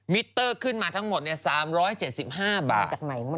มิเตอร์ขึ้นมาทั้งหมด๓๗๕บาทจากไหน